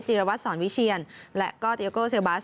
รวัตรสอนวิเชียนและก็เตียโกเซลบัส